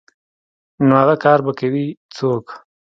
نو اغه کار به کوي څوک.